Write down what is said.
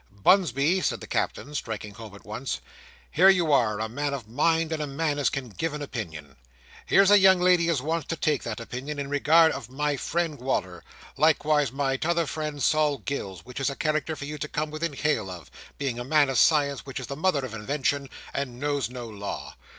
"Bunsby," said the Captain, striking home at once, "here you are; a man of mind, and a man as can give an opinion. Here's a young lady as wants to take that opinion, in regard of my friend Wal"r; likewise my t'other friend, Sol Gills, which is a character for you to come within hail of, being a man of science, which is the mother of invention, and knows no law.